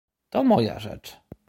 "To moja rzecz."